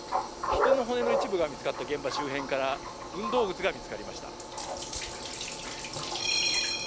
人の骨の一部が見つかった現場周辺から運動靴が見つかりました。